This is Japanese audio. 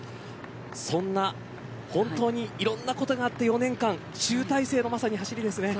そんな、本当にいろんなことがあった４年間集大成のまさに走りですね。